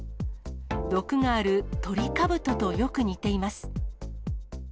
毒があるトリカブトとよく似ています。